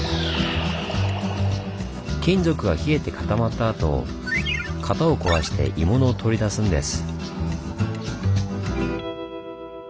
金属が冷えて固まったあと型を壊して鋳物を取り出すんです。